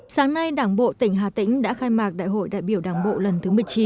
sáng nay đảng bộ tỉnh hà tĩnh đã khai mạc đại hội đại biểu đảng bộ lần thứ một mươi chín